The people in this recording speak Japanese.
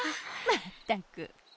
まったく！